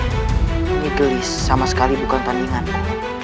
ini gelis sama sekali bukan tandinganku